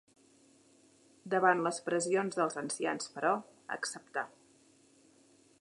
Davant les pressions dels ancians però, acceptà.